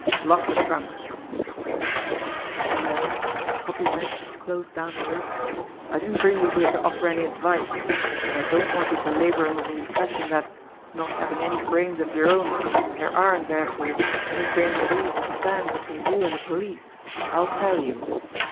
"Lock the trunk!" he said curtly. And then, as Hoppy Meggs closed down the lid: "I didn't bring you here to offer any advice; but as I don't want you to labour under the impression that, not having any brains of your own, there aren't, therefore, any brains at all to stand between you and the police, I'll tell you.